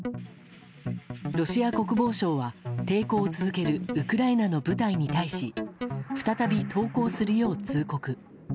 ロシア国防省は抵抗を続けるウクライナの部隊に対し再び投降するよう通告。